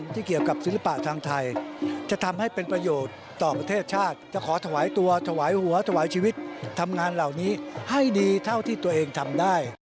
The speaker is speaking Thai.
เดี๋ยวไปฟังเสียงกันหน่อยนะคะ